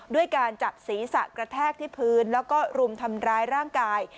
ด้วยการจับศีรษะกระแทกที่พื้นแล้วก็รุมทำร้ายร่างกาย